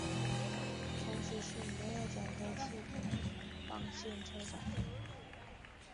同时是没有转辙器的棒线车站。